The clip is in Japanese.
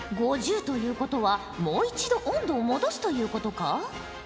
５０ということはもう一度温度を戻すということか？